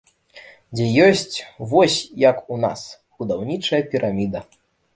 Дзе ёсць, вось як у нас, будаўнічая піраміда.